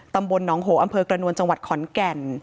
ตำบลหนองโหอำเภอกระนวลจังหวัดขอนแก่น